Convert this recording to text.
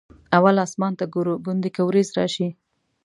اول اسمان ته ګورو ګوندې که ورېځ راشي.